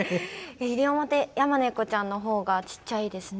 イリオモテヤマネコちゃんの方がちっちゃいですね。